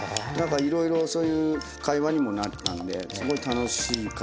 いろいろそういう会話にもなったんですごい楽しかったですね